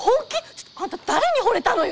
ちょっとあんた誰にほれたのよ！